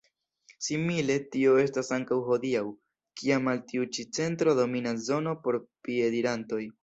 Simile tio estas ankaŭ hodiaŭ, kiam al tiu ĉi centro dominas zono por piedirantoj.